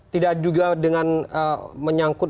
tidak juga dengan menyangkut